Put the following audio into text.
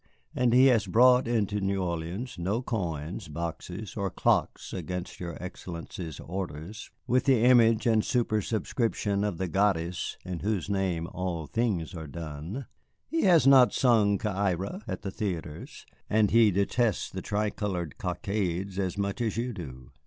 "And he has brought into New Orleans no coins, boxes, or clocks against your Excellency's orders with the image and superscription of the Goddess in whose name all things are done. He has not sung 'Ça Ira' at the theatres, and he detests the tricolored cockades as much as you do."